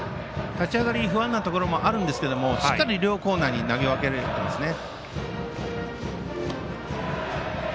立ち上がり不安なところもあるんですけどしっかり両コーナーに投げ分けれていますね。